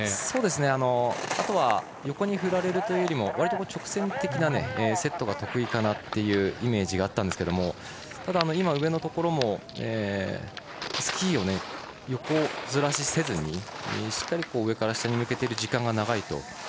そうですね、あとは横に振られるというよりもわりと直線的なセットが得意かなというイメージがあったんですがただ、上のところもスキーを横ずらしせずにしっかり上から下に向けている時間が長い。